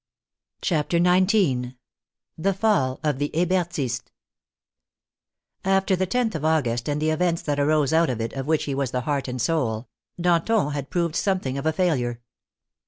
CHAPTER XIX THE FALL OF THE HEBERTISTS After the loth of August and the events that arose out of it of which he was the heart and soul, Danton had proved something of a failure.